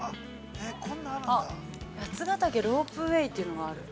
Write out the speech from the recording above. あっ、八ヶ岳ロープウェイというのがある。